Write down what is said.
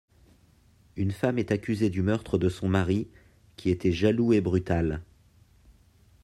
Une femme est accusée du meurtre de son mari, qui était jaloux et brutal.